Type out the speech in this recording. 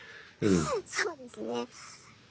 そうですね。